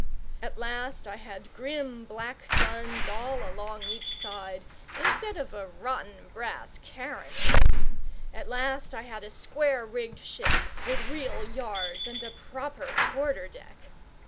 At last I had grim, black guns all along each side, instead of a rotten brass carronade; at last I had a square rigged ship, with real yards, and a proper quarter deck.